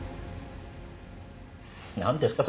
何ですか？